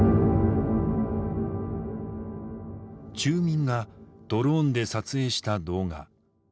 住民がドローンで撮影した動画。